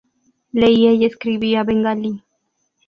Leía y escribía bengalí.